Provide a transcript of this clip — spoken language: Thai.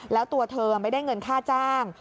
แล้วตัวเธอไม่ได้เงินค่าจ้าง